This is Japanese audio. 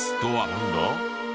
なんだ？